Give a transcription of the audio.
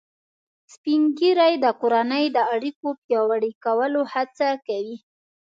سپین ږیری د کورنۍ د اړیکو پیاوړي کولو هڅه کوي